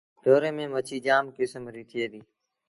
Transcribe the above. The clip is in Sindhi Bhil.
ڍوري ميݩ مڇيٚ جآم ڪسم ريٚ ٿئي ديٚ۔